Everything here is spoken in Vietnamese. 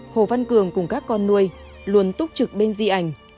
hồ văn cường cùng các con nuôi luôn túc trực bên di ảnh